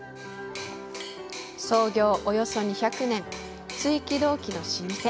創業、およそ２００年、鎚起銅器の老舗。